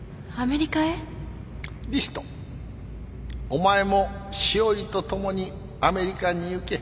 お前も詩織と共にアメリカに行け。